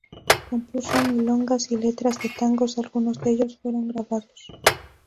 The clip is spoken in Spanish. Compuso milongas y letras de tangos, algunos de ellos fueron grabados.